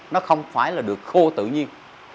nó không phải là được khô tự nhiên